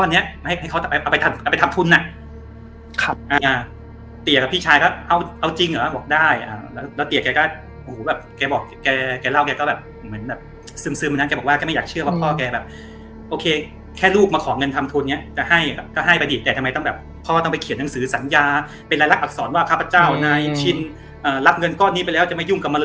แล้วเตี๋ยแกก็โอ้โหแบบแกบอกแกแกเล่าแกก็แบบเหมือนแบบซึมซึมแบบนั้นแกบอกว่าแกไม่อยากเชื่อว่าพ่อแกแบบโอเคแค่ลูกมาขอเงินทำทุนเนี้ยจะให้ก็ให้ไปดิแต่ทำไมต้องแบบพ่อต้องไปเขียนหนังสือสัญญาเป็นรายลักษณ์อักษรว่าข้าพเจ้านายชินเอ่อรับเงินก้อนนี้ไปแล้วจะไม่ยุ่งกับ